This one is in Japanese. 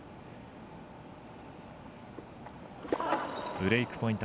ブレークポイント